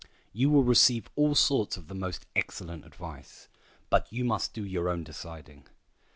You will receive all sorts of the most excellent advice, but you must do your own deciding.